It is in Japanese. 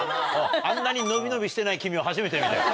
あんなにのびのびしてない君を初めて見た。